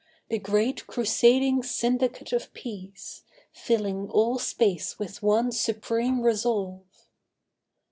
The great Crusading Syndicate of Peace, Filling all space with one supreme resolve.